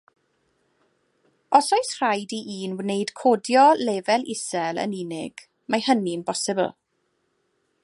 Os oes rhaid i un wneud codio lefel isel yn unig, mae hynny'n bosibl.